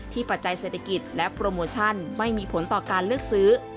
ปัจจัยเศรษฐกิจและโปรโมชั่นไม่มีผลต่อการเลือกซื้อ